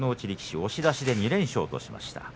力士押し出しで２連勝としました。